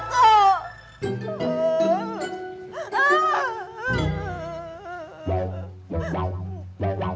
kamu gak ngerti gimana aja jadi aku